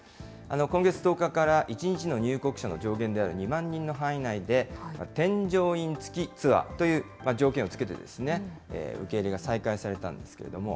今月１０日から、１日の入国者の上限である２万人の範囲内で、添乗員付きツアーという条件を付けて、受け入れが再開されたんですけれども。